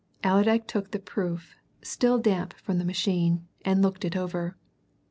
Allerdyke took the proof, still damp from the machine, and looked it over.